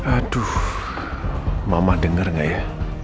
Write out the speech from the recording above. aduh mama denger gak ya